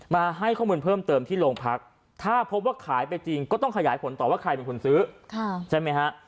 มาให้ข้อมูลเพิ่มเติมที่โรงพักถ้าพบว่าขายไปจริงก็ต้องขยายผลต่อว่าใครเป็นคนซื้อใช่ไหมฮะ